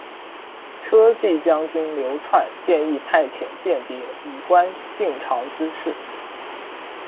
车骑将军刘纂建议派遣间谍，以观晋朝之势。